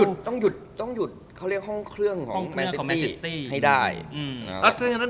จริงที่ผมพูดตั้งแต่เทปที่แล้วแล้วว่า